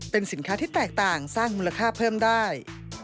เป็นสินค้าที่แตกต่างสร้างมูลค่าเพิ่มได้